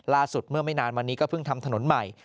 เมื่อไม่นานมานี้ก็เพิ่งทำถนนใหม่